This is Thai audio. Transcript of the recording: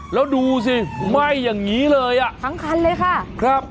แล้วดูสิไหม้อย่างงี้เลยอ่ะ